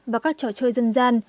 và các trò chơi dân gian